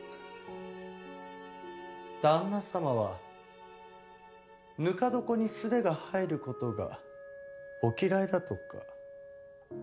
旦那様はぬか床に素手が入る事がお嫌いだとか。